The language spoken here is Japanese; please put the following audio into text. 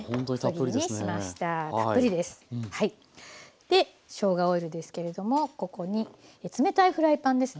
でしょうがオイルですけれどもここに冷たいフライパンですね。